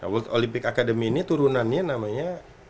world olympic academy ini turunannya namanya